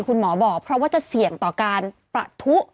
คุณหมอบอกเพราะว่าจะเสี่ยงต่อการประทุ